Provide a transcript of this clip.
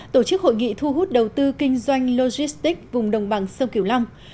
tổ chức hội nghị thu hút đầu tư kinh doanh logistics vùng đồng bằng sông kiều long